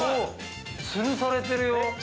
つるされてるよ。